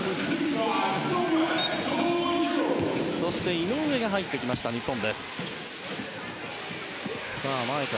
井上が入ってきました、日本。